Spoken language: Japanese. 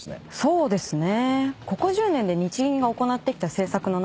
そうですね。